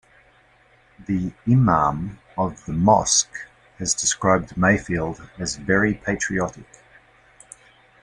The imam of the mosque has described Mayfield as very patriotic.